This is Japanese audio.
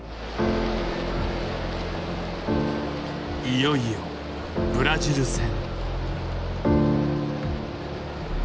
いよいよブラジル戦。